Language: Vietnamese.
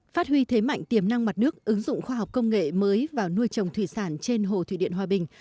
phát huy thế mạnh tiềm năng mặt nước ứng dụng khoa học công nghệ mới vào nuôi trồng thủy sản trên hồ thủy điện hòa bình